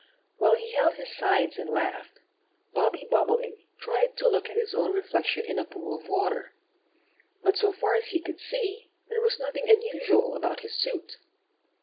While he held his sides and laughed, Bobby Bobolink tried to look at his own reflection in a pool of water. But so far as he could see there was nothing unusual about his suit.